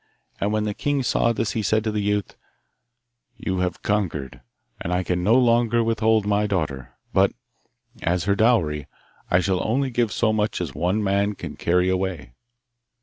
And when the king saw this he said to the youth, 'You have conquered, and I can no longer withhold my daughter. But, as her dowry, I shall only give so much as one man can carry away.